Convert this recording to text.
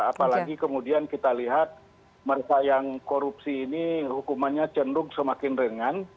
apalagi kemudian kita lihat mereka yang korupsi ini hukumannya cenderung semakin ringan